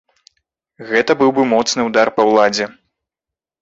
Гэта быў бы моцны ўдар па ўладзе.